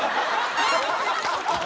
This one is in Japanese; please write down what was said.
ハハハハ！